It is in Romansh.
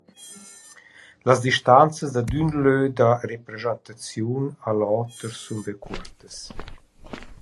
Las distanzas dad ün lö da rapreschantaziun a l’oter sun be cuortas.